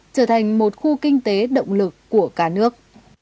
trở thành một khu kinh tế động lực của cả nước